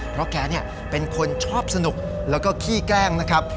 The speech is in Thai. เพราะแกเป็นคนชอบสนุกแล้วก็ขี้แกล้งนะครับ